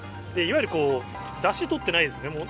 いわゆる出汁取ってないですね。